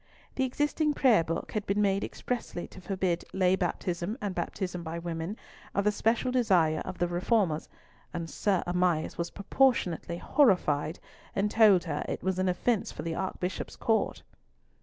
The existing Prayer book had been made expressly to forbid lay baptism and baptism by women, at the special desire of the reformers, and Sir Amias was proportionately horrified, and told her it was an offence for the Archbishop's court.